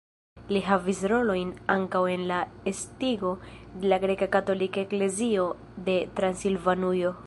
Li havis rolojn ankaŭ en la estigo de la greka katolika eklezio de Transilvanujo.